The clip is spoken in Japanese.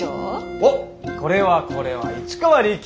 おっこれはこれは市川利休。